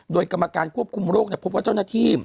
โดยกรรมการควบคุมโรคพบว่าเจ้าหน้าที่